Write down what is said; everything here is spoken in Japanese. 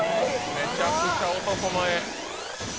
めちゃくちゃ男前。